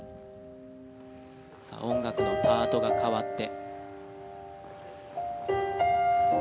音楽のパートが変わって。